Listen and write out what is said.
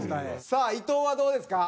さあ伊藤はどうですか？